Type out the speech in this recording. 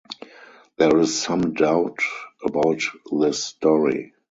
There is some doubt about this story.